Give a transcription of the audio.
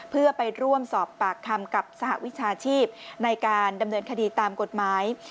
เพื่อไปร่วมสอบปากคำกับสหวิชาชีพในการดำเนินคดีตามกฎหมาย